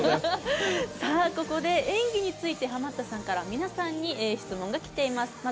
ここで演技についてハマったさんから皆さんに質問がきています。